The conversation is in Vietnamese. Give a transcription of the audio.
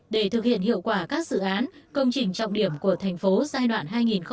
để thực hiện hiệu quả các dự án công trình trọng điểm của thành phố giai đoạn hai nghìn một mươi sáu hai nghìn hai mươi